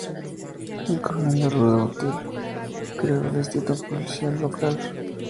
El Coronel Arruda Botelho creó el distrito policial local.